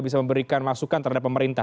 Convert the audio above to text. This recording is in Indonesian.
bisa memberikan masukan terhadap pemerintah